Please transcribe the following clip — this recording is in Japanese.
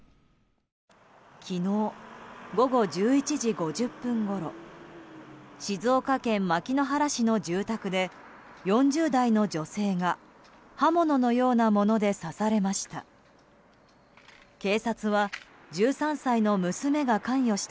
昨日午後１１時５０分ごろ静岡県牧之原市の住宅で４０代の女性が刃物のようなもので刺されました。